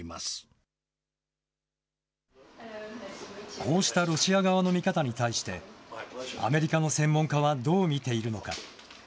こうしたロシア側の見方に対して、アメリカの専門家はどう見ているのか。